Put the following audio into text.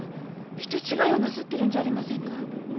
人違いをなすってるんじゃありませんか？